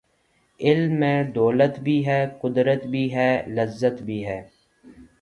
علم میں دولت بھی ہے ،قدرت بھی ہے ،لذت بھی ہے